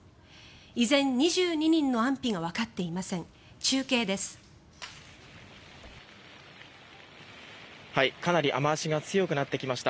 依然２２人の安否がわかっていません。